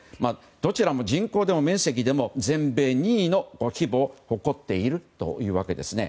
どちらも人口では面積でも全米２位の規模を誇っているというわけですね。